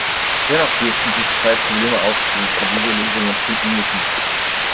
Dennoch dürften sich zwei Probleme auftun, für die wir Lösungen finden müssen.